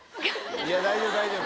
いや大丈夫大丈夫。